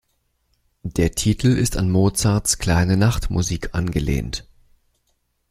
Der Titel ist an Mozarts Kleine Nachtmusik angelehnt.